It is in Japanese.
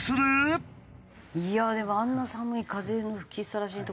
いやあでもあんな寒い風の吹きさらしの所。